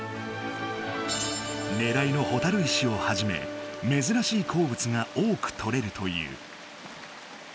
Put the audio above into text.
ねらいのほたる石をはじめめずらしい鉱物が多く採れるという。